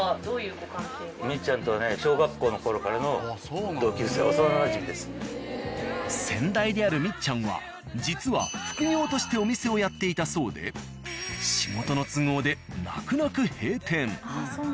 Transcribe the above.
みっちゃんとはね先代であるみっちゃんは実は副業としてお店をやっていたそうで仕事の都合で泣く泣く閉店。